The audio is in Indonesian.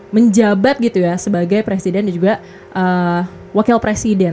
menjabat gitu ya sebagai presiden dan juga wakil presiden